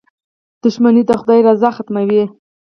• دښمني د خدای رضا ختموي.